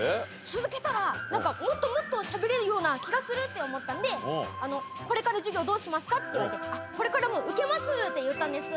続けたらもっとしゃべれるような気がするって思ったんで「これから授業どうしますか？」って言われてこれからも受けますって言ったんです。